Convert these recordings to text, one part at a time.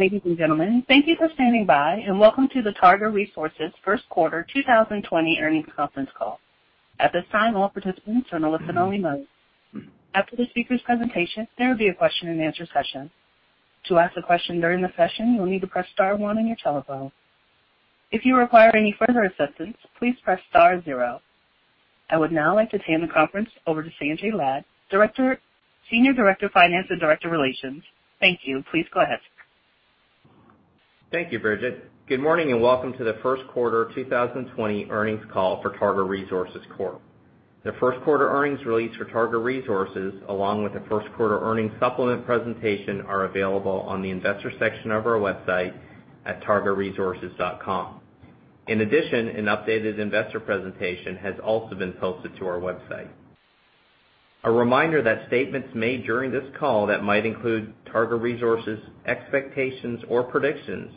Ladies and gentlemen, thank you for standing by. Welcome to the Targa Resources First Quarter 2020 Earnings Conference Call. At this time, all participants are in a listen-only mode. After the speaker's presentation, there will be a question-and-answer session. To ask a question during the session, you'll need to press star one on your telephone. If you require any further assistance, please press star zero. I would now like to turn the conference over to Sanjay Lad, Senior Director of Finance and Director of Relations. Thank you. Please go ahead. Thank you, Bridget. Good morning, welcome to the first quarter of 2020 earnings call for Targa Resources Corp. The first quarter earnings release for Targa Resources, along with the first quarter earnings supplement presentation, are available on the investor section of our website at targaresources.com. In addition, an updated investor presentation has also been posted to our website. A reminder that statements made during this call that might include Targa Resources expectations or predictions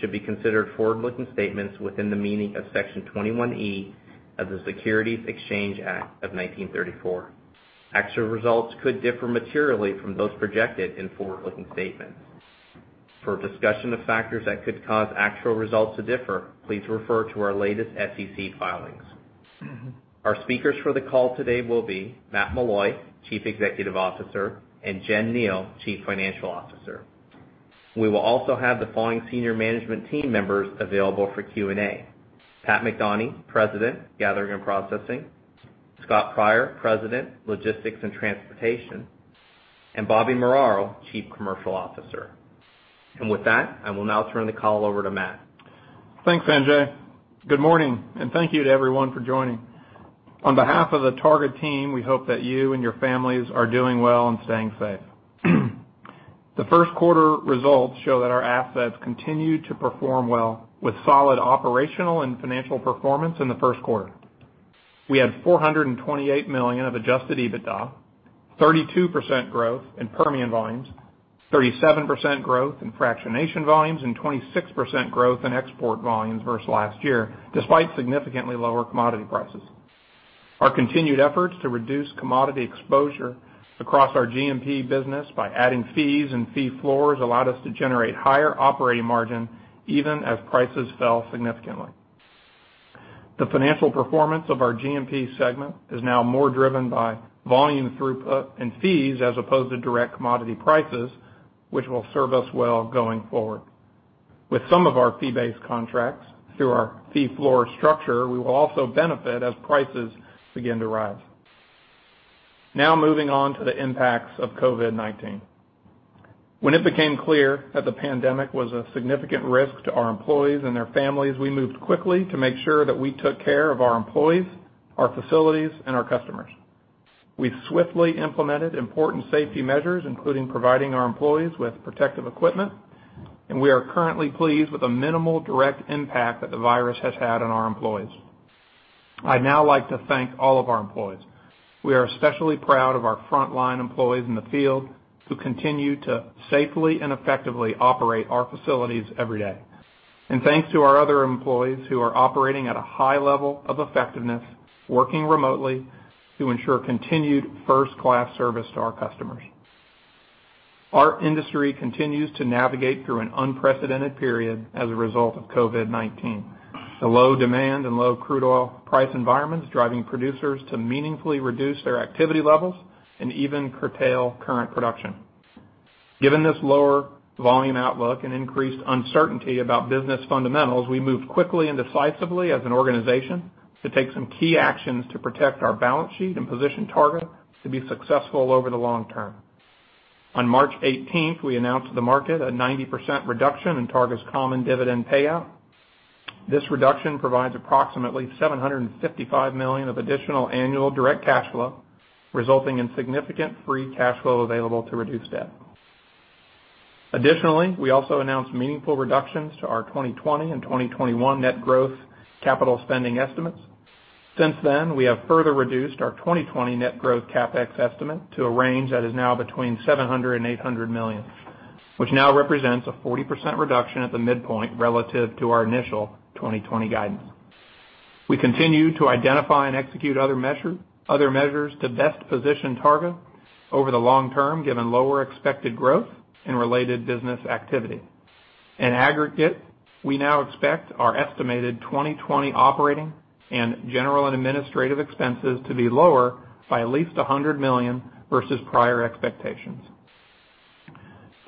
should be considered forward-looking statements within the meaning of Section 21E of the Securities Exchange Act of 1934. Actual results could differ materially from those projected in forward-looking statements. For a discussion of factors that could cause actual results to differ, please refer to our latest SEC filings. Our speakers for the call today will be Matt Meloy, Chief Executive Officer, and Jen Kneale, Chief Financial Officer. We will also have the following senior management team members available for Q&A: Pat McDonie, President, Gathering and Processing; Scott Pryor, President, Logistics and Transportation; and Bobby Muraro, Chief Commercial Officer. With that, I will now turn the call over to Matt. Thanks, Sanjay. Good morning, thank you to everyone for joining. On behalf of the Targa team, we hope that you and your families are doing well and staying safe. The first quarter results show that our assets continued to perform well with solid operational and financial performance in the first quarter. We had $428 million of adjusted EBITDA, 32% growth in Permian volumes, 37% growth in fractionation volumes, and 26% growth in export volumes versus last year, despite significantly lower commodity prices. Our continued efforts to reduce commodity exposure across our G&P business by adding fees and fee floors allowed us to generate higher operating margin even as prices fell significantly. The financial performance of our G&P segment is now more driven by volume throughput and fees as opposed to direct commodity prices, which will serve us well going forward. With some of our fee-based contracts through our fee floor structure, we will also benefit as prices begin to rise. Moving on to the impacts of COVID-19. When it became clear that the pandemic was a significant risk to our employees and their families, we moved quickly to make sure that we took care of our employees, our facilities, and our customers. We swiftly implemented important safety measures, including providing our employees with protective equipment, and we are currently pleased with the minimal direct impact that the virus has had on our employees. I'd now like to thank all of our employees. We are especially proud of our frontline employees in the field who continue to safely and effectively operate our facilities every day. Thanks to our other employees who are operating at a high level of effectiveness, working remotely to ensure continued first-class service to our customers. Our industry continues to navigate through an unprecedented period as a result of COVID-19. The low demand and low crude oil price environment is driving producers to meaningfully reduce their activity levels and even curtail current production. Given this lower volume outlook and increased uncertainty about business fundamentals, we moved quickly and decisively as an organization to take some key actions to protect our balance sheet and position Targa to be successful over the long term. On March 18th, we announced to the market a 90% reduction in Targa's common dividend payout. This reduction provides approximately $755 million of additional annual direct cash flow, resulting in significant free cash flow available to reduce debt. Additionally, we also announced meaningful reductions to our 2020 and 2021 net growth capital spending estimates. Since then, we have further reduced our 2020 net growth CapEx estimate to a range that is now between $700 million and $800 million, which now represents a 40% reduction at the midpoint relative to our initial 2020 guidance. We continue to identify and execute other measures to best position Targa over the long term given lower expected growth and related business activity. In aggregate, we now expect our estimated 2020 operating and general and administrative expenses to be lower by at least $100 million versus prior expectations.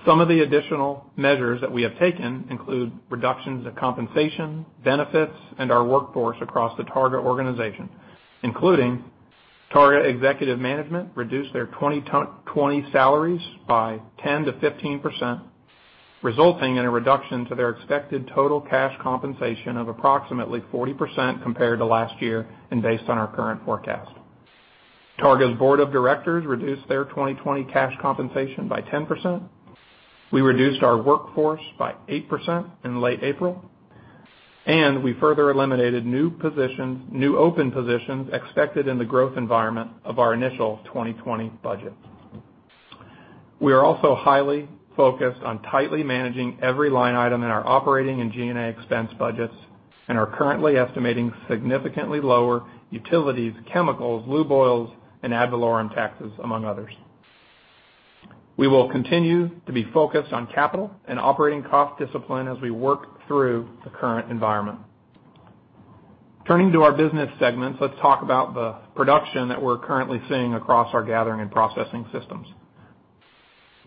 Some of the additional measures that we have taken include reductions of compensation, benefits, and our workforce across the Targa organization, including Targa executive management reduced their 2020 salaries by 10%-15%, resulting in a reduction to their expected total cash compensation of approximately 40% compared to last year and based on our current forecast. Targa's board of directors reduced their 2020 cash compensation by 10%. We reduced our workforce by 8% in late April. We further eliminated new open positions expected in the growth environment of our initial 2020 budget. We are also highly focused on tightly managing every line item in our operating and G&A expense budgets. We are currently estimating significantly lower utilities, chemicals, lube oils, and ad valorem taxes, among others. We will continue to be focused on capital and operating cost discipline as we work through the current environment. Turning to our business segments, let's talk about the production that we're currently seeing across our Gathering and Processing systems.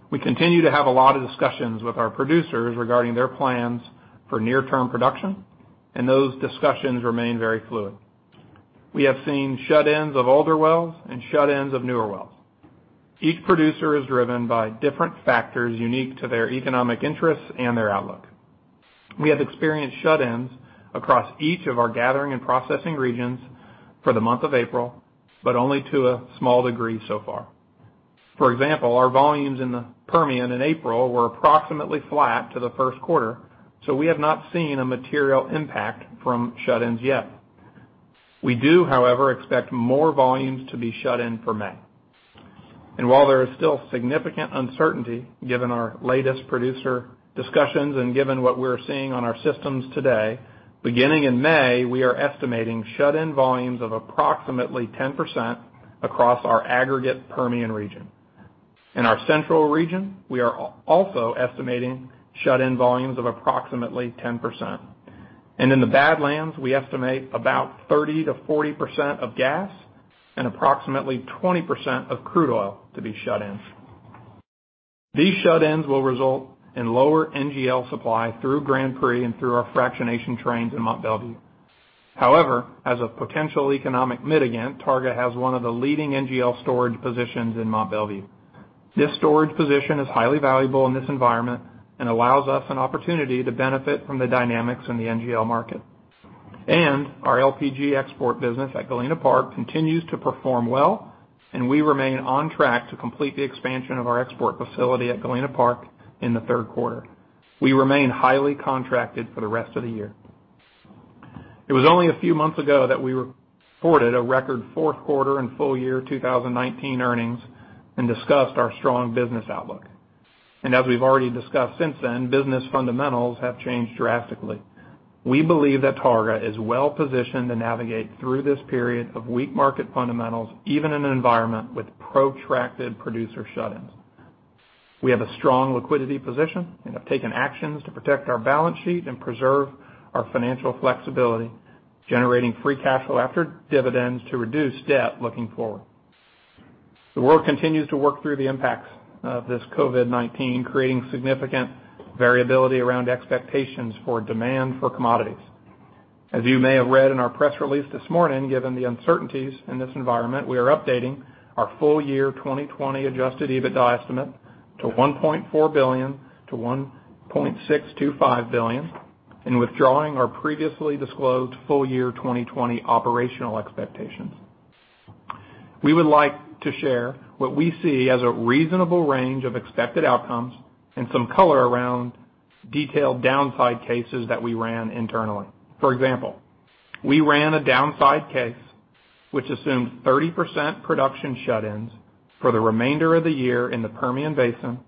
We continue to have a lot of discussions with our producers regarding their plans for near-term production. Those discussions remain very fluid. We have seen shut-ins of older wells and shut-ins of newer wells. Each producer is driven by different factors unique to their economic interests and their outlook. We have experienced shut-ins across each of our gathering and processing regions for the month of April, but only to a small degree so far. For example, our volumes in the Permian in April were approximately flat to the first quarter, so we have not seen a material impact from shut-ins yet. We do, however, expect more volumes to be shut in for May. While there is still significant uncertainty, given our latest producer discussions and given what we're seeing on our systems today, beginning in May, we are estimating shut-in volumes of approximately 10% across our aggregate Permian region. In our Central region, we are also estimating shut-in volumes of approximately 10%. In the Badlands, we estimate about 30%-40% of gas and approximately 20% of crude oil to be shut in. These shut-ins will result in lower NGL supply through Grand Prix and through our fractionation trains in Mont Belvieu. However, as a potential economic mitigant, Targa has one of the leading NGL storage positions in Mont Belvieu. This storage position is highly valuable in this environment and allows us an opportunity to benefit from the dynamics in the NGL market. Our LPG export business at Galena Park continues to perform well, and we remain on track to complete the expansion of our export facility at Galena Park in the third quarter. We remain highly contracted for the rest of the year. It was only a few months ago that we reported a record fourth quarter and full year 2019 earnings and discussed our strong business outlook. As we've already discussed since then, business fundamentals have changed drastically. We believe that Targa is well-positioned to navigate through this period of weak market fundamentals, even in an environment with protracted producer shut-ins. We have a strong liquidity position and have taken actions to protect our balance sheet and preserve our financial flexibility, generating free cash flow after dividends to reduce debt looking forward. The world continues to work through the impacts of this COVID-19, creating significant variability around expectations for demand for commodities. As you may have read in our press release this morning, given the uncertainties in this environment, we are updating our full year 2020 adjusted EBITDA estimate to $1.4 billion-$1.625 billion and withdrawing our previously disclosed full year 2020 operational expectations. We would like to share what we see as a reasonable range of expected outcomes and some color around detailed downside cases that we ran internally. For example, we ran a downside case which assumed 30% production shut-ins for the remainder of the year in the Permian Basin,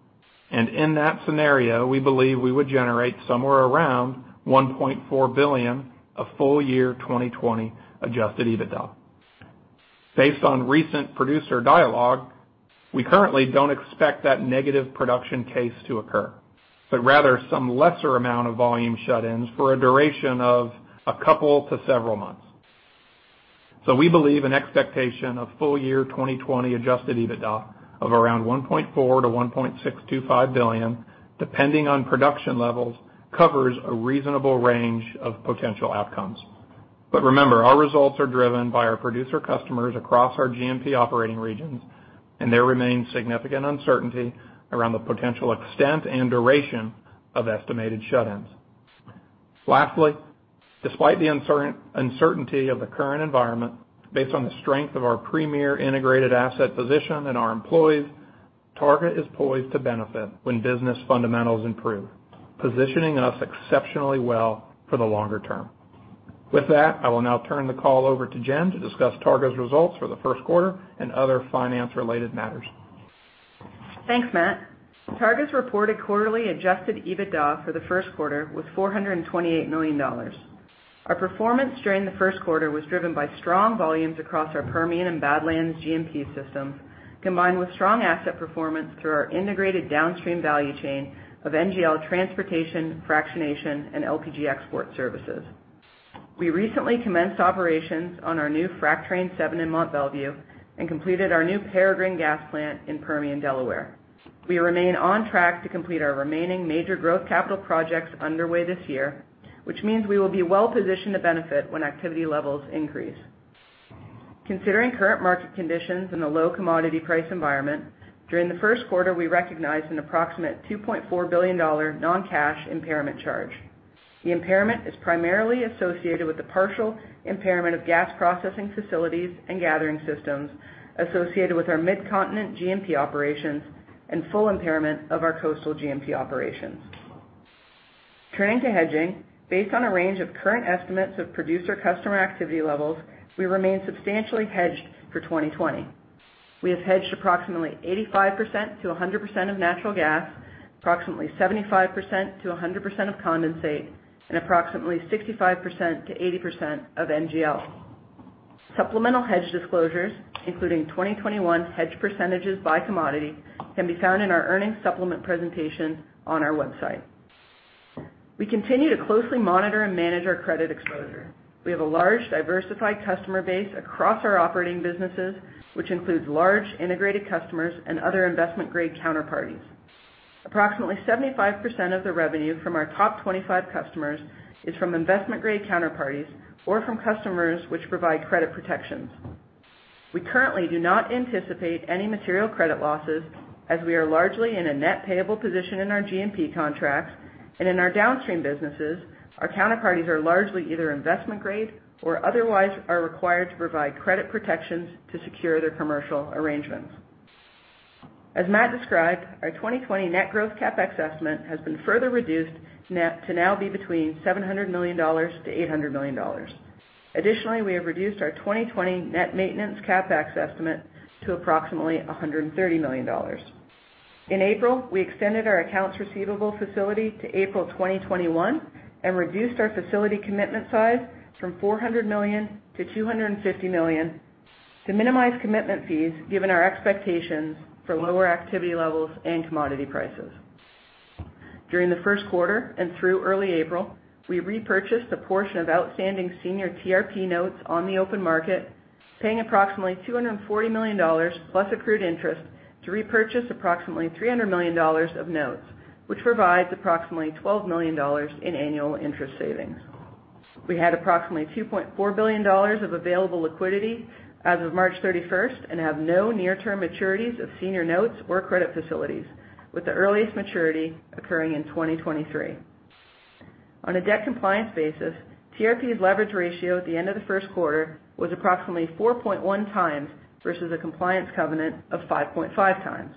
and in that scenario, we believe we would generate somewhere around $1.4 billion of full year 2020 adjusted EBITDA. Based on recent producer dialogue, we currently don't expect that negative production case to occur, but rather some lesser amount of volume shut-ins for a duration of a couple to several months. We believe an expectation of full year 2020 adjusted EBITDA of around $1.4 billion-$1.625 billion, depending on production levels, covers a reasonable range of potential outcomes. Remember, our results are driven by our producer customers across our G&P operating regions, and there remains significant uncertainty around the potential extent and duration of estimated shut-ins. Lastly, despite the uncertainty of the current environment, based on the strength of our premier integrated asset position and our employees, Targa is poised to benefit when business fundamentals improve, positioning us exceptionally well for the longer term. With that, I will now turn the call over to Jen to discuss Targa's results for the first quarter and other finance-related matters. Thanks, Matt. Targa's reported quarterly adjusted EBITDA for the first quarter was $428 million. Our performance during the first quarter was driven by strong volumes across our Permian and Badlands G&P systems, combined with strong asset performance through our integrated downstream value chain of NGL transportation, fractionation, and LPG export services. We recently commenced operations on our new Frac Train 7 in Mont Belvieu and completed our new Peregrine gas plant in Permian Delaware. We remain on track to complete our remaining major growth capital projects underway this year, which means we will be well-positioned to benefit when activity levels increase. Considering current market conditions in a low commodity price environment, during the first quarter, we recognized an approximate $2.4 billion non-cash impairment charge. The impairment is primarily associated with the partial impairment of gas processing facilities and gathering systems associated with our Midcontinent G&P operations and full impairment of our Coastal G&P operations. Turning to hedging, based on a range of current estimates of producer customer activity levels, we remain substantially hedged for 2020. We have hedged approximately 85%-100% of natural gas, approximately 75%-100% of condensate, and approximately 65%-80% of NGL. Supplemental hedge disclosures, including 2021 hedge percentages by commodity, can be found in our earnings supplement presentation on our website. We continue to closely monitor and manage our credit exposure. We have a large, diversified customer base across our operating businesses, which includes large integrated customers and other investment-grade counterparties. Approximately 75% of the revenue from our top 25 customers is from investment-grade counterparties or from customers which provide credit protections. We currently do not anticipate any material credit losses, as we are largely in a net payable position in our G&P contracts. In our downstream businesses, our counterparties are largely either investment-grade or otherwise are required to provide credit protections to secure their commercial arrangements. As Matt described, our 2020 net growth CapEx estimate has been further reduced to now be between $700 million-$800 million. Additionally, we have reduced our 2020 net maintenance CapEx estimate to approximately $130 million. In April, we extended our accounts receivable facility to April 2021 and reduced our facility commitment size from $400 million to $250 million to minimize commitment fees, given our expectations for lower activity levels and commodity prices. During the first quarter and through early April, we repurchased a portion of outstanding senior TRP notes on the open market, paying approximately $240 million plus accrued interest to repurchase approximately $300 million of notes, which provides approximately $12 million in annual interest savings. We had approximately $2.4 billion of available liquidity as of March 31st, and have no near-term maturities of senior notes or credit facilities, with the earliest maturity occurring in 2023. On a debt compliance basis, TRP's leverage ratio at the end of the first quarter was approximately 4.1x, versus a compliance covenant of 5.5x.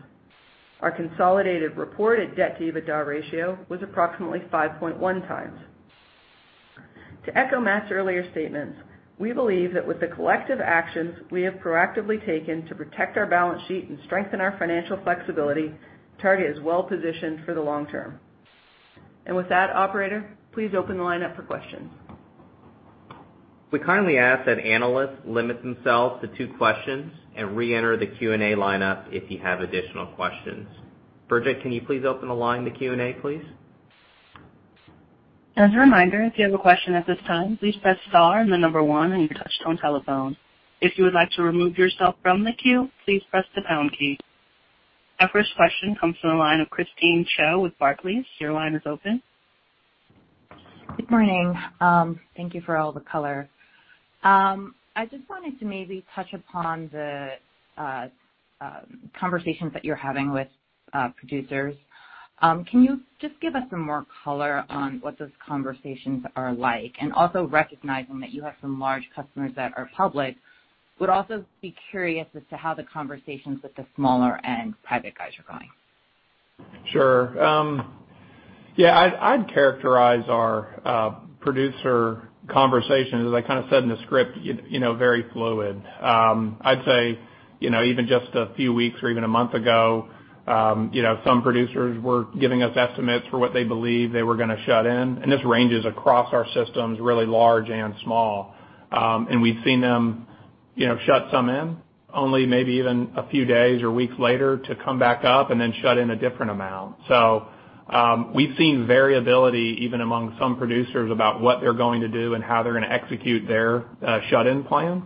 Our consolidated reported debt-to-EBITDA ratio was approximately 5.1x. To echo Matt's earlier statements, we believe that with the collective actions we have proactively taken to protect our balance sheet and strengthen our financial flexibility, Targa is well-positioned for the long term. With that, operator, please open the line up for questions. We kindly ask that analysts limit themselves to two questions and re-enter the Q&A lineup if you have additional questions. Bridget, can you please open the line to Q&A, please? As a reminder, if you have a question at this time, please press star and the number one on your touch-tone telephone. If you would like to remove yourself from the queue, please press the pound key. Our first question comes from the line of Christine Cho with Barclays. Your line is open. Good morning. Thank you for all the color. I just wanted to maybe touch upon the conversations that you're having with producers. Can you just give us some more color on what those conversations are like? Also recognizing that you have some large customers that are public, would also be curious as to how the conversations with the smaller-end private guys are going. Sure. Yeah, I'd characterize our producer conversation, as I kind of said in the script, very fluid. I'd say, even just a few weeks or even a month ago, some producers were giving us estimates for what they believed they were going to shut in. This ranges across our systems really large and small. We've seen them shut some in, only maybe even a few days or weeks later to come back up and shut in a different amount. We've seen variability even among some producers about what they're going to do and how they're going to execute their shut-in plan.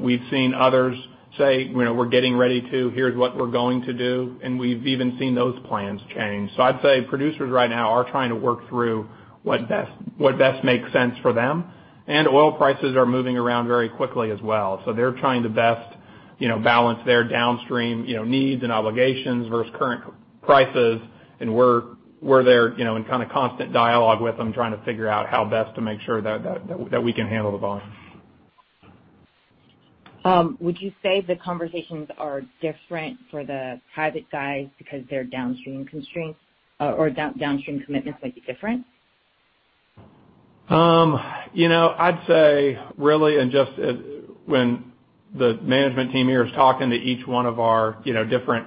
We've seen others say, "We're getting ready to. Here's what we're going to do," we've even seen those plans change. I'd say producers right now are trying to work through what best makes sense for them, and oil prices are moving around very quickly as well. They're trying to best balance their downstream needs and obligations versus current prices, and we're there in constant dialogue with them, trying to figure out how best to make sure that we can handle the volumes. Would you say the conversations are different for the private guys because their downstream constraints or downstream commitments might be different? I'd say really, when the management team here is talking to each one of our different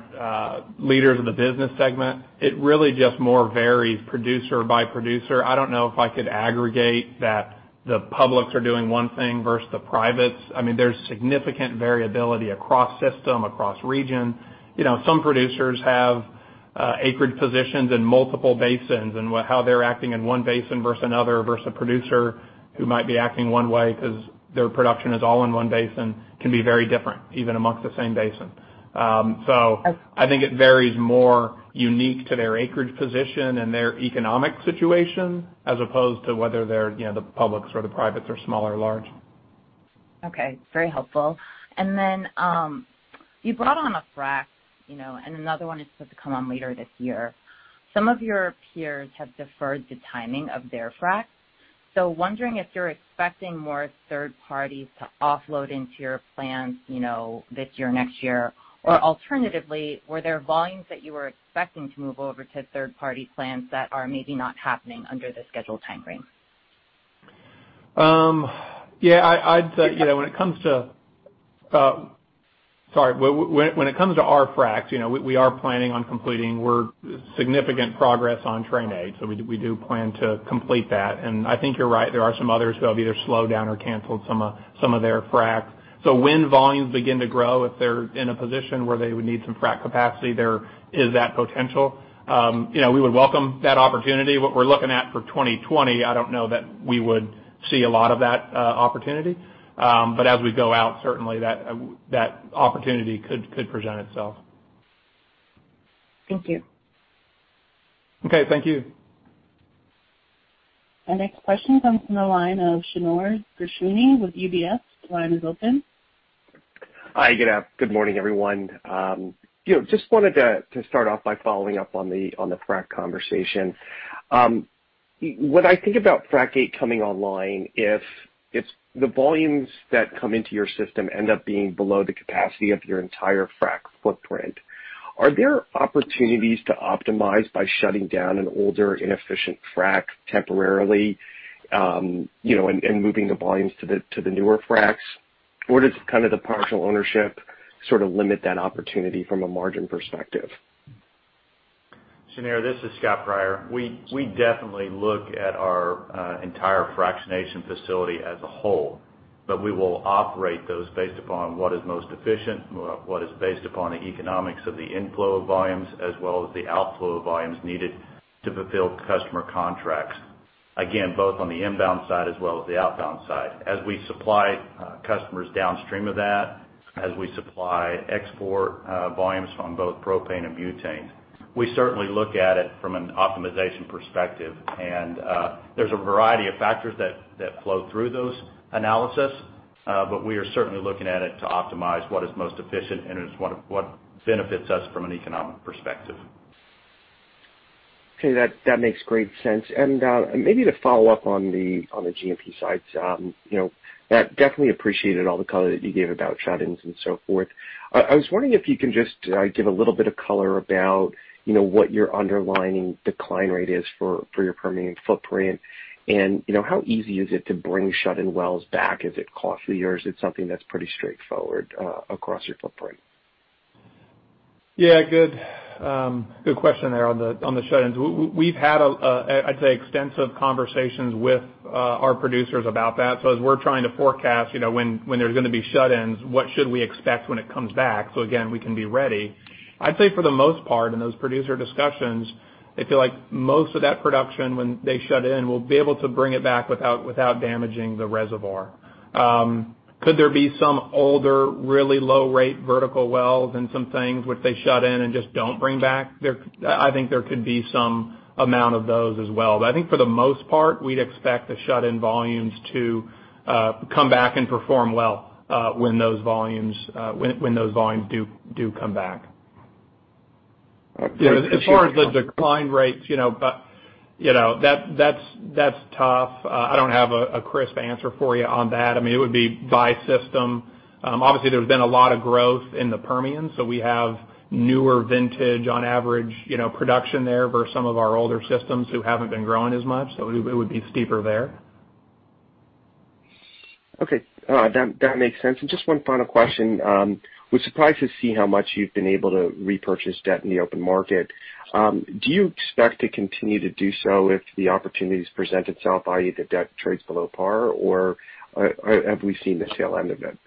leaders of the business segment, it really just more varies producer by producer. I don't know if I could aggregate that the publics are doing one thing versus the privates. There's significant variability across system, across region. Some producers have acreage positions in multiple basins, and how they're acting in one basin versus another, versus a producer who might be acting one way because their production is all in one basin, can be very different, even amongst the same basin. I think it varies more unique to their acreage position and their economic situation as opposed to whether they're the publics or the privates or small or large. Okay. Very helpful. Then you brought on a frac, and another one is supposed to come on later this year. Some of your peers have deferred the timing of their fracs. Wondering if you're expecting more third parties to offload into your plants this year, next year, or alternatively, were there volumes that you were expecting to move over to third-party plants that are maybe not happening under the scheduled time frame? Yeah. When it comes to our fracs, we are planning on completing. We're significant progress on Train 8, so we do plan to complete that. I think you're right. There are some others who have either slowed down or canceled some of their fracs. When volumes begin to grow, if they're in a position where they would need some frac capacity, there is that potential. We would welcome that opportunity. What we're looking at for 2020, I don't know that we would see a lot of that opportunity. As we go out, certainly that opportunity could present itself. Thank you. Okay. Thank you. Our next question comes from the line of Shneur Gershuni with UBS. The line is open. Hi, good morning everyone. Just wanted to start off by following up on the frac conversation. When I think about Train 8 coming online, if the volumes that come into your system end up being below the capacity of your entire frac footprint, are there opportunities to optimize by shutting down an older, inefficient frac temporarily, and moving the volumes to the newer fracs? Does the partial ownership limit that opportunity from a margin perspective? Shneur, this is Scott Pryor. We definitely look at our entire fractionation facility as a whole, but we will operate those based upon what is most efficient, what is based upon the economics of the inflow of volumes, as well as the outflow of volumes needed to fulfill customer contracts. Again, both on the inbound side as well as the outbound side. As we supply customers downstream of that, as we supply export volumes on both propane and butane. We certainly look at it from an optimization perspective, and there's a variety of factors that flow through those analysis. We are certainly looking at it to optimize what is most efficient and what benefits us from an economic perspective. Okay. That makes great sense. Maybe to follow up on the G&P side. I definitely appreciated all the color that you gave about shut-ins and so forth. I was wondering if you can just give a little bit of color about what your underlying decline rate is for your Permian footprint, and how easy is it to bring shut-in wells back? Is it costly or is it something that's pretty straightforward across your footprint? Yeah. Good question there on the shut-ins. We've had, I'd say, extensive conversations with our producers about that. As we're trying to forecast when there's going to be shut-ins, what should we expect when it comes back? Again, we can be ready. I'd say for the most part, in those producer discussions, they feel like most of that production when they shut in, we'll be able to bring it back without damaging the reservoir. Could there be some older, really low rate vertical wells and some things which they shut in and just don't bring back? I think there could be some amount of those as well. I think for the most part, we'd expect the shut-in volumes to come back and perform well when those volumes do come back. As far as the decline rates, that's tough. I don't have a crisp answer for you on that. It would be by system. Obviously, there's been a lot of growth in the Permian, so we have newer vintage on average production there versus some of our older systems who haven't been growing as much, so it would be steeper there. Okay. That makes sense. Just one final question. I was surprised to see how much you've been able to repurchase debt in the open market. Do you expect to continue to do so if the opportunities present itself by either debt trades below par, or have we seen the tail end of it?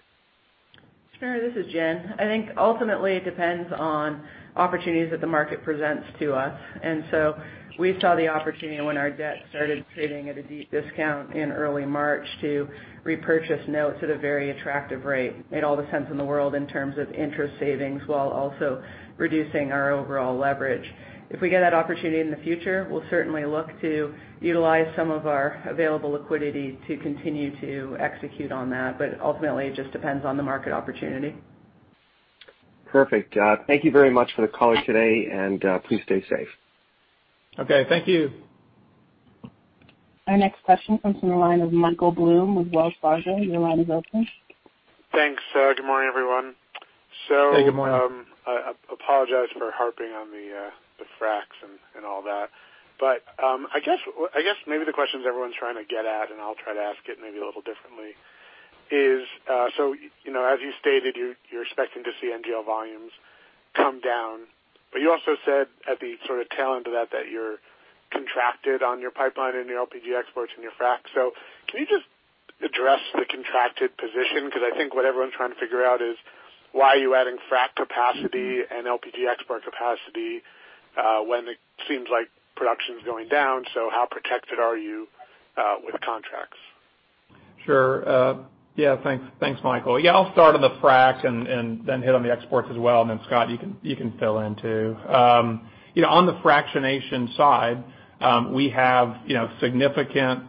Shneur, this is Jen. I think ultimately it depends on opportunities that the market presents to us. We saw the opportunity when our debt started trading at a deep discount in early March to repurchase notes at a very attractive rate. Made all the sense in the world in terms of interest savings while also reducing our overall leverage. If we get that opportunity in the future, we'll certainly look to utilize some of our available liquidity to continue to execute on that. Ultimately, it just depends on the market opportunity. Perfect. Thank you very much for the call today. Please stay safe. Okay, thank you. Our next question comes from the line of Michael Blum with Wells Fargo. Your line is open. Thanks. Good morning, everyone. Hey, good morning. I apologize for harping on the fracs and all that, but I guess maybe the question everyone's trying to get at, and I'll try to ask it maybe a little differently is, as you stated, you're expecting to see NGL volumes come down, but you also said at the tail end of that you're contracted on your pipeline and your LPG exports and your fracs. Can you just address the contracted position? Because I think what everyone's trying to figure out is why are you adding frac capacity and LPG export capacity when it seems like production is going down. How protected are you with contracts? Sure. Yeah. Thanks, Michael. I'll start on the frac and then hit on the exports as well, and then Scott, you can fill in, too. On the fractionation side, we have significant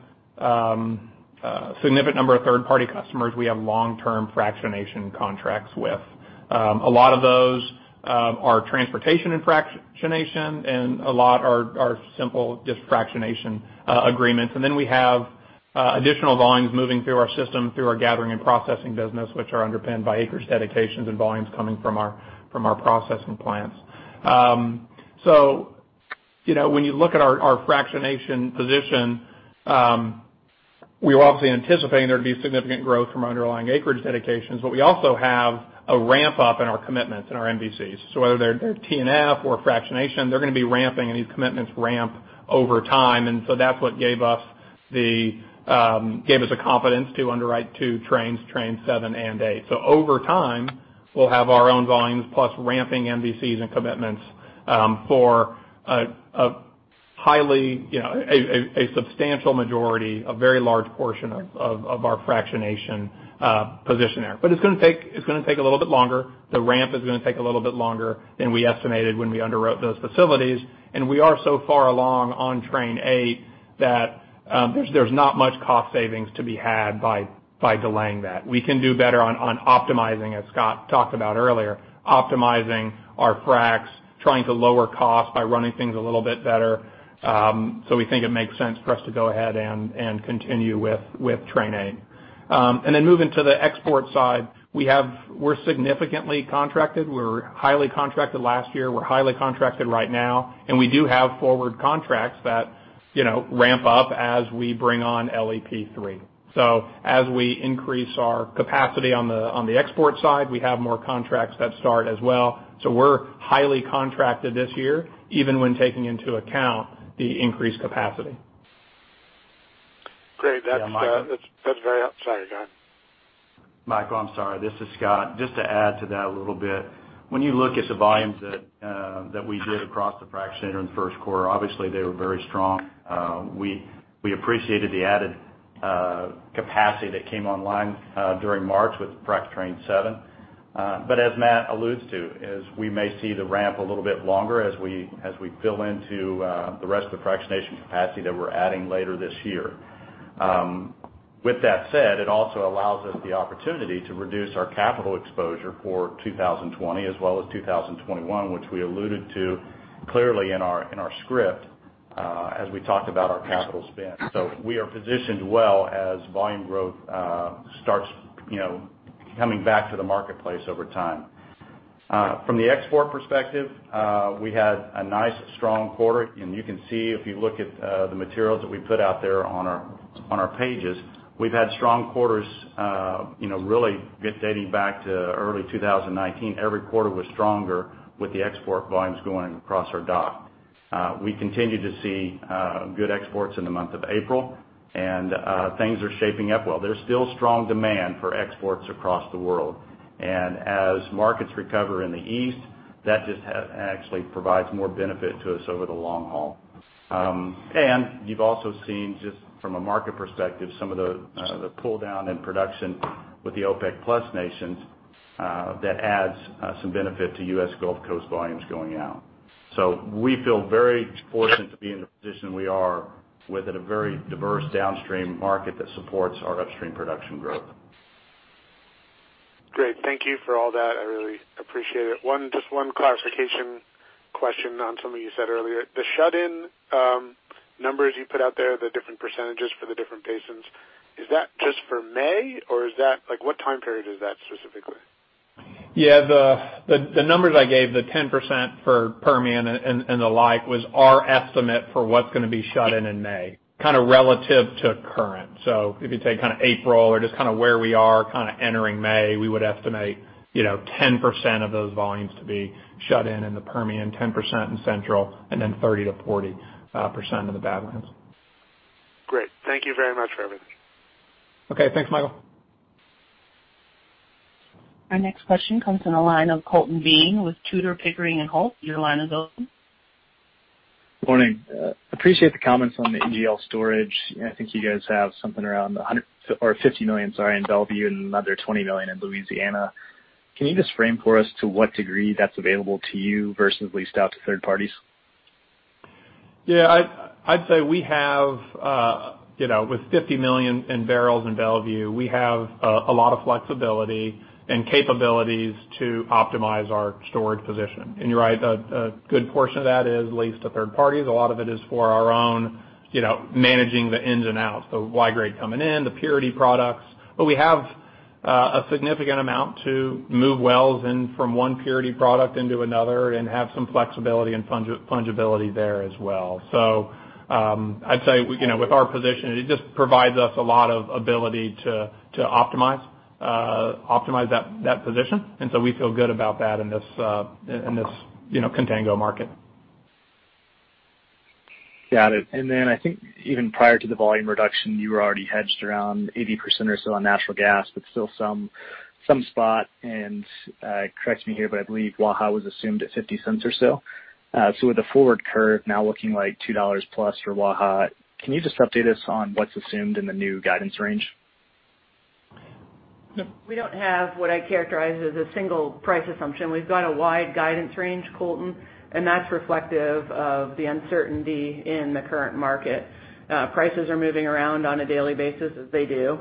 number of third-party customers we have long-term fractionation contracts with. A lot of those are transportation and fractionation, and a lot are simple, just fractionation agreements. We have additional volumes moving through our system through our gathering and processing business, which are underpinned by acreage dedications and volumes coming from our processing plants. When you look at our fractionation position, we were obviously anticipating there'd be significant growth from underlying acreage dedications, but we also have a ramp-up in our commitments in our MVCs. Whether they're T&F or fractionation, they're going to be ramping, and these commitments ramp over time. That's what gave us the confidence to underwrite two trains, Train 7 and 8. Over time, we'll have our own volumes plus ramping MVCs and commitments for a substantial majority, a very large portion of our fractionation position there. It's going to take a little bit longer. The ramp is going to take a little bit longer than we estimated when we underwrote those facilities, and we are so far along on Train 8 that there's not much cost savings to be had by delaying that. We can do better on optimizing, as Scott talked about earlier, optimizing our fracs, trying to lower costs by running things a little bit better. We think it makes sense for us to go ahead and continue with Train 8. Moving to the export side, we're significantly contracted. We were highly contracted last year. We're highly contracted right now, and we do have forward contracts that ramp up as we bring on LPG 3. As we increase our capacity on the export side, we have more contracts that start as well. We're highly contracted this year, even when taking into account the increased capacity. Great. Yeah, Michael. Sorry, go ahead. Michael, I'm sorry. This is Scott. Just to add to that a little bit, when you look at the volumes that we did across the frac center in the first quarter, obviously, they were very strong. We appreciated the added capacity that came online during March with Frac Train 7. As Matt alludes to, as we may see the ramp a little bit longer as we fill into the rest of the fractionation capacity that we're adding later this year. With that said, it also allows us the opportunity to reduce our capital exposure for 2020 as well as 2021, which we alluded to clearly in our script as we talked about our capital spend. We are positioned well as volume growth starts coming back to the marketplace over time. From the export perspective, we had a nice, strong quarter. You can see if you look at the materials that we put out there on our pages, we've had strong quarters really dating back to early 2019. Every quarter was stronger with the export volumes going across our dock. We continue to see good exports in the month of April, and things are shaping up well. There's still strong demand for exports across the world. As markets recover in the east, that just actually provides more benefit to us over the long haul. You've also seen, just from a market perspective, some of the pull-down in production with the OPEC Plus nations. That adds some benefit to U.S. Gulf Coast volumes going out. We feel very fortunate to be in the position we are within a very diverse downstream market that supports our upstream production growth. Great. Thank you for all that. I really appreciate it. Just one clarification question on something you said earlier. The shut-in numbers you put out there, the different percentages for the different basins, is that just for May? What time period is that specifically? Yeah. The numbers I gave, the 10% for Permian and the like, was our estimate for what's going to be shut in in May, kind of relative to current. If you take April or just where we are entering May, we would estimate 10% of those volumes to be shut in in the Permian, 10% in Central, and then 30%-40% in the Badlands. Great. Thank you very much for everything. Okay. Thanks, Michael. Our next question comes in the line of Colton Bean with Tudor, Pickering, Holt & Co. Your line is open. Morning. Appreciate the comments on the NGL storage. I think you guys have something around 100 or 50 million, sorry, in Mont Belvieu and another 20 million in Louisiana. Can you just frame for us to what degree that's available to you versus leased out to third parties? Yeah. I'd say with 50 million barrels in Mont Belvieu, we have a lot of flexibility and capabilities to optimize our storage position. You're right, a good portion of that is leased to third parties. A lot of it is for our own managing the ins and outs, the Y-grade coming in, the purity products. We have a significant amount to move wells in from one purity product into another and have some flexibility and fungibility there as well. I'd say with our position, it just provides us a lot of ability to optimize that position. We feel good about that in this contango market. Got it. I think even prior to the volume reduction, you were already hedged around 80% or so on natural gas, but still some spot. Correct me here, but I believe Waha was assumed at $0.50 or so. With the forward curve now looking like $2+ for Waha, can you just update us on what's assumed in the new guidance range? No. We don't have what I characterize as a single price assumption. We've got a wide guidance range, Colton. That's reflective of the uncertainty in the current market. Prices are moving around on a daily basis as they do.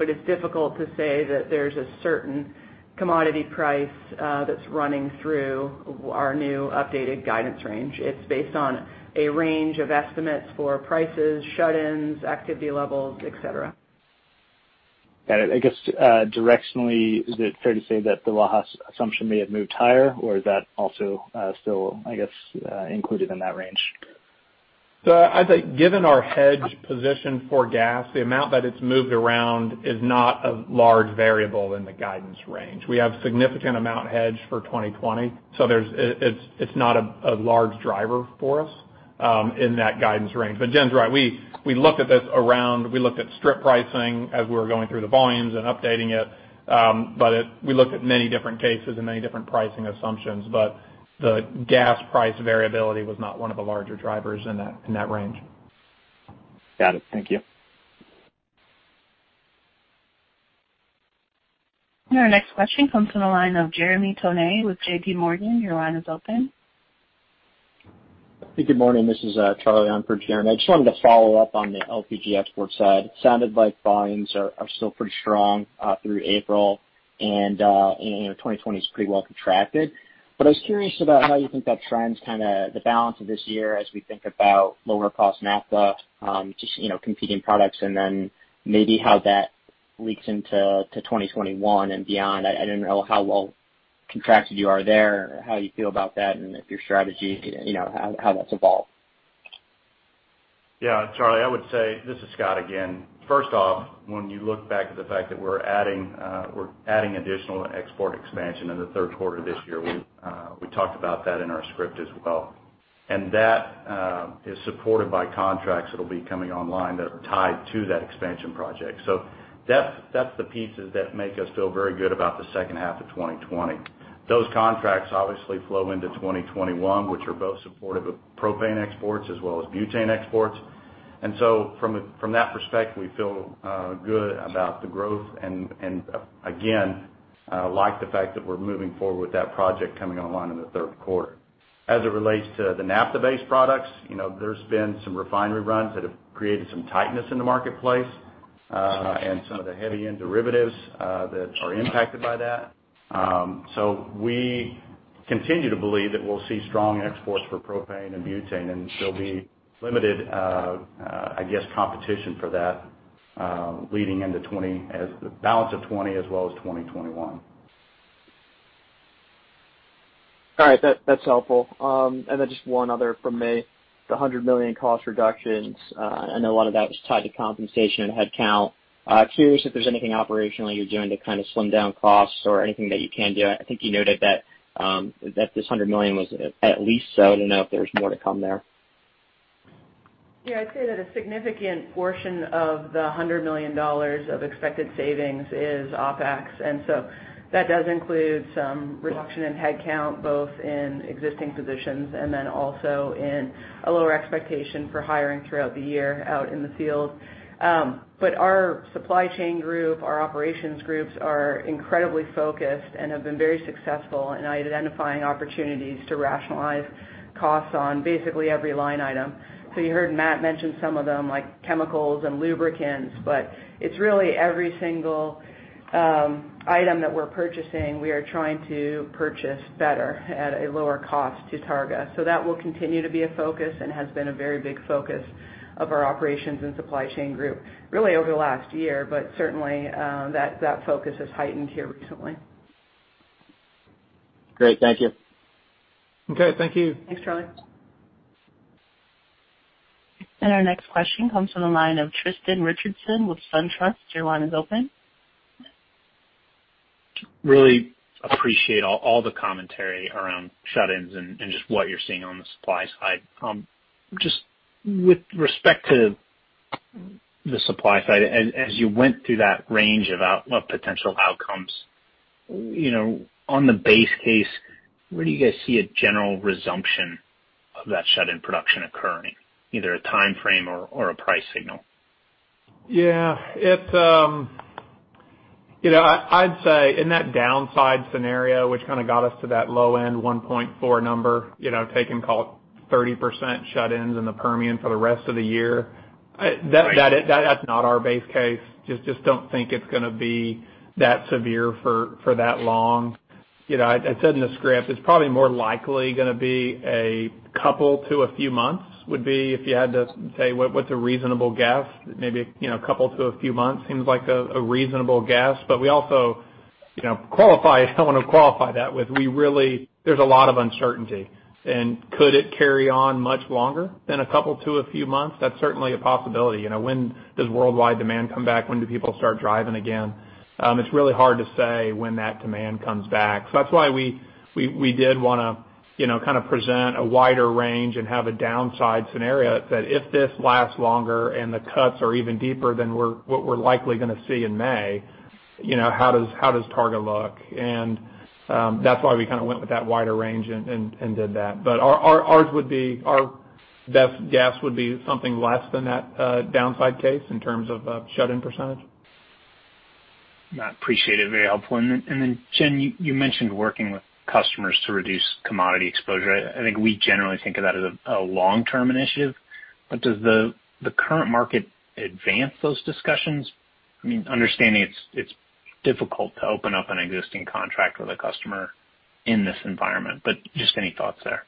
It's difficult to say that there's a certain commodity price that's running through our new updated guidance range. It's based on a range of estimates for prices, shut-ins, activity levels, et cetera. Got it. I guess directionally, is it fair to say that the Waha assumption may have moved higher, or is that also still included in that range? I'd say, given our hedge position for gas, the amount that it's moved around is not a large variable in the guidance range. We have a significant amount hedged for 2020. It's not a large driver for us in that guidance range. Jen's right. We looked at strip pricing as we were going through the volumes and updating it. We looked at many different cases and many different pricing assumptions. The gas price variability was not one of the larger drivers in that range. Got it. Thank you. Our next question comes from the line of Jeremy Tonet with J.P. Morgan. Your line is open. Good morning. This is Charlie on for Jeremy. I just wanted to follow up on the LPG export side. It sounded like volumes are still pretty strong through April, and 2020 is pretty well contracted. I was curious about how you think that trends kind of the balance of this year as we think about lower cost naphtha, just competing products, and then maybe how that leaks into 2021 and beyond. I didn't know how well contracted you are there or how you feel about that and if your strategy, how that's evolved. Yeah, Charlie, I would say This is Scott again. First off, when you look back at the fact that we're adding additional export expansion in the third quarter this year, we talked about that in our script as well. That is supported by contracts that'll be coming online that are tied to that expansion project. That's the pieces that make us feel very good about the second half of 2020. Those contracts obviously flow into 2021, which are both supportive of propane exports as well as butane exports. From that perspective, we feel good about the growth and, again, like the fact that we're moving forward with that project coming online in the third quarter. As it relates to the naphtha-based products, there's been some refinery runs that have created some tightness in the marketplace, and some of the heavy-end derivatives that are impacted by that. We continue to believe that we'll see strong exports for propane and butane, and there'll be limited competition for that leading into the balance of 2020 as well as 2021. All right. That's helpful. Just one other from me. The $100 million cost reductions, I know a lot of that was tied to compensation and headcount. Curious if there's anything operationally you're doing to kind of slim down costs or anything that you can do. I think you noted that this $100 million was at least so. I don't know if there's more to come there. I'd say that a significant portion of the $100 million of expected savings is OpEx, that does include some reduction in headcount, both in existing positions and also in a lower expectation for hiring throughout the year out in the field. Our supply chain group, our operations groups are incredibly focused and have been very successful in identifying opportunities to rationalize costs on basically every line item. You heard Matt mention some of them, like chemicals and lubricants, it's really every single item that we're purchasing, we are trying to purchase better at a lower cost to Targa. That will continue to be a focus and has been a very big focus of our operations and supply chain group really over the last year. Certainly, that focus has heightened here recently. Great. Thank you. Okay. Thank you. Thanks, Charlie. Our next question comes from the line of Tristan Richardson with SunTrust. Your line is open. Really appreciate all the commentary around shut-ins and just what you're seeing on the supply side. Just with respect to the supply side, as you went through that range of potential outcomes, on the base case, where do you guys see a general resumption of that shut-in production occurring? Either a timeframe or a price signal? Yeah. I'd say in that downside scenario, which kind of got us to that low-end 1.4 number, taking call it 30% shut-ins in the Permian for the rest of the year. That's not our base case. Don't think it's going to be that severe for that long. I said in the script, it's probably more likely going to be a couple to a few months, would be if you had to say what's a reasonable guess, maybe a couple to a few months seems like a reasonable guess. We also want to qualify that with there's a lot of uncertainty. Could it carry on much longer than a couple to a few months? That's certainly a possibility. When does worldwide demand come back? When do people start driving again? It's really hard to say when that demand comes back. That's why we did want to kind of present a wider range and have a downside scenario that if this lasts longer and the cuts are even deeper than what we're likely going to see in May, how does Targa look? That's why we kind of went with that wider range and did that. Our best guess would be something less than that downside case in terms of shut-in percentage. No, appreciate it. Very helpful. Then, Jen, you mentioned working with customers to reduce commodity exposure. I think we generally think of that as a long-term initiative. Does the current market advance those discussions? I mean, understanding it's difficult to open up an existing contract with a customer in this environment, just any thoughts there?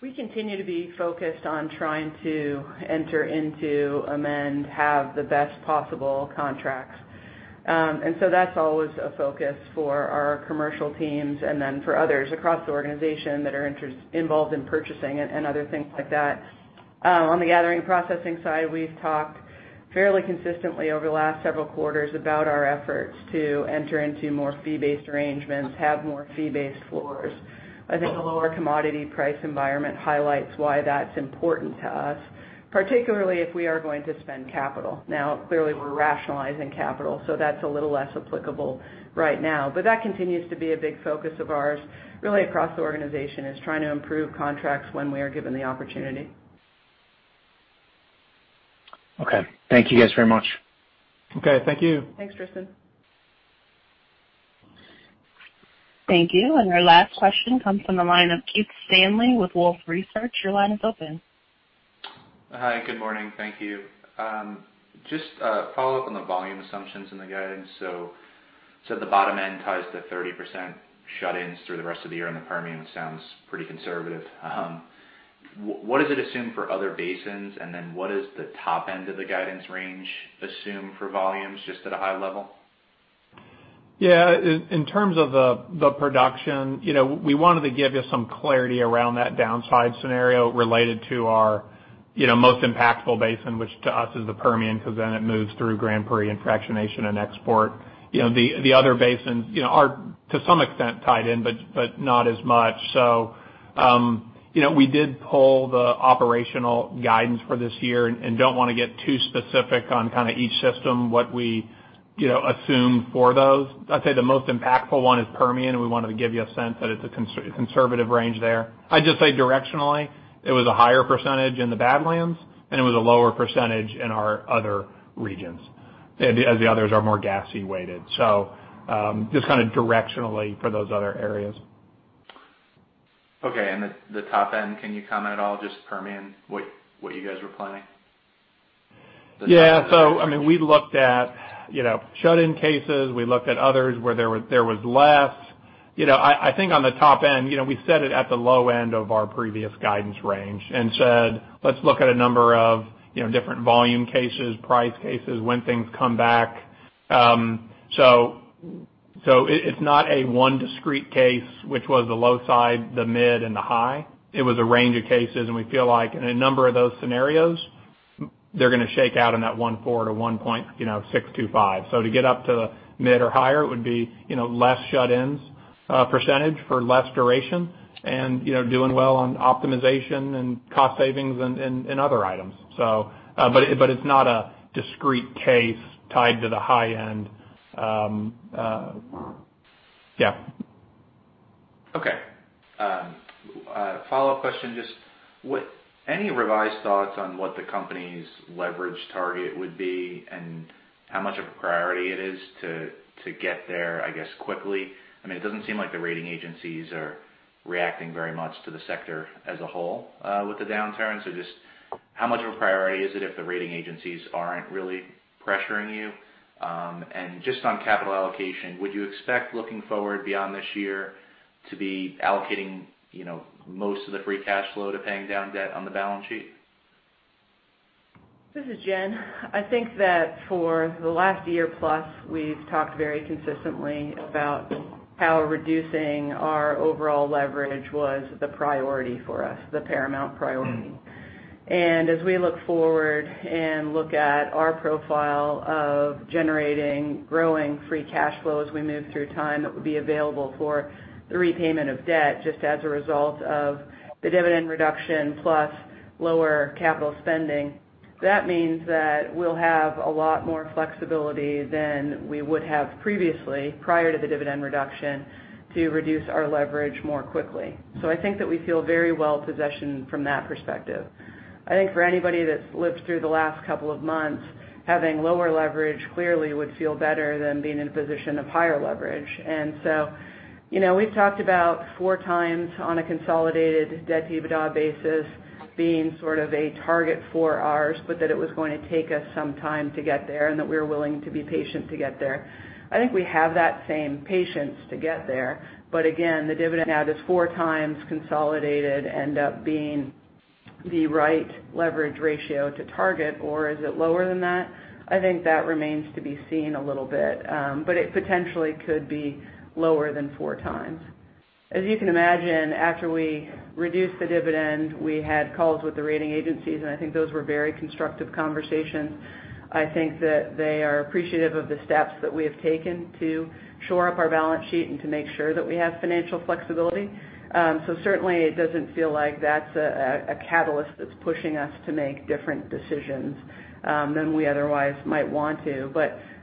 We continue to be focused on trying to enter into amend, have the best possible contracts. That's always a focus for our commercial teams and then for others across the organization that are involved in purchasing and other things like that. On the gathering processing side, we've talked fairly consistently over the last several quarters about our efforts to enter into more fee-based arrangements, have more fee-based floors. I think a lower commodity price environment highlights why that's important to us, particularly if we are going to spend capital. Now, clearly we're rationalizing capital, so that's a little less applicable right now. That continues to be a big focus of ours, really across the organization, is trying to improve contracts when we are given the opportunity. Okay. Thank you guys very much. Okay. Thank you. Thanks, Tristan. Thank you. Our last question comes from the line of Keith Stanley with Wolfe Research. Your line is open. Hi, good morning. Thank you. Just a follow-up on the volume assumptions in the guidance. The bottom end ties to 30% shut-ins through the rest of the year in the Permian. Sounds pretty conservative. What does it assume for other basins? What does the top end of the guidance range assume for volumes, just at a high level? Yeah. In terms of the production, we wanted to give you some clarity around that downside scenario related to our most impactful basin, which to us is the Permian, because then it moves through Grand Prix and fractionation and export. The other basins are, to some extent, tied in, but not as much. We did pull the operational guidance for this year and don't want to get too specific on each system, what we assume for those. I'd say the most impactful one is Permian, and we wanted to give you a sense that it's a conservative range there. I'd just say directionally, it was a higher % in the Badlands and it was a lower % in our other regions, as the others are more gassy weighted. Just directionally for those other areas. Okay. The top end, can you comment at all, just Permian, what you guys were planning? Yeah. We looked at shut-in cases. We looked at others where there was less. I think on the top end, we set it at the low end of our previous guidance range and said, "Let's look at a number of different volume cases, price cases, when things come back." It's not a one discrete case, which was the low side, the mid, and the high. It was a range of cases, and we feel like in a number of those scenarios, they're going to shake out in that 1.4 to 1.625. To get up to mid or higher, it would be less shut-ins percentage for less duration and doing well on optimization and cost savings and other items. It's not a discrete case tied to the high end. Yeah. Okay. A follow-up question. Just any revised thoughts on what the company's leverage target would be and how much of a priority it is to get there, I guess, quickly? It doesn't seem like the rating agencies are reacting very much to the sector as a whole with the downturn. Just how much of a priority is it if the rating agencies aren't really pressuring you? Just on capital allocation, would you expect looking forward beyond this year to be allocating most of the free cash flow to paying down debt on the balance sheet? This is Jen. I think that for the last year plus, we've talked very consistently about how reducing our overall leverage was the priority for us, the paramount priority. As we look forward and look at our profile of generating growing free cash flow as we move through time, that would be available for the repayment of debt just as a result of the dividend reduction plus lower capital spending. That means that we'll have a lot more flexibility than we would have previously prior to the dividend reduction to reduce our leverage more quickly. I think that we feel very well-positioned from that perspective. I think for anybody that's lived through the last couple of months, having lower leverage clearly would feel better than being in a position of higher leverage. We've talked about 4x on a consolidated debt-to-EBITDA basis being sort of a target for ours, but that it was going to take us some time to get there and that we were willing to be patient to get there. I think we have that same patience to get there. Again, the dividend now does 4x consolidated end up being the right leverage ratio to target, or is it lower than that? I think that remains to be seen a little bit. It potentially could be lower than 4x. As you can imagine, after we reduced the dividend, we had calls with the rating agencies, and I think those were very constructive conversations. I think that they are appreciative of the steps that we have taken to shore up our balance sheet and to make sure that we have financial flexibility. Certainly, it doesn't feel like that's a catalyst that's pushing us to make different decisions than we otherwise might want to.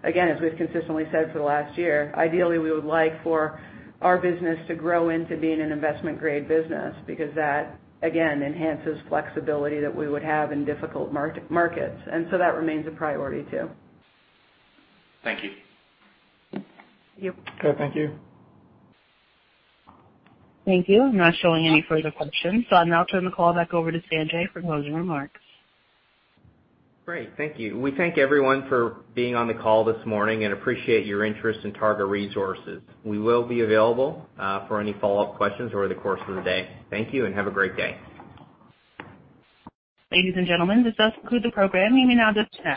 Again, as we've consistently said for the last year, ideally, we would like for our business to grow into being an investment-grade business because that, again, enhances flexibility that we would have in difficult markets. That remains a priority, too. Thank you. Yep. Okay, thank you. Thank you. I'm not showing any further questions, so I'll now turn the call back over to Sanjay for closing remarks. Great. Thank you. We thank everyone for being on the call this morning and appreciate your interest in Targa Resources. We will be available for any follow-up questions over the course of the day. Thank you and have a great day. Ladies and gentlemen, this does conclude the program. You may now disconnect.